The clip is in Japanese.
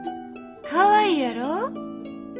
かわいいやろ？